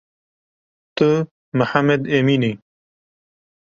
Tu Mihemmed Emîn î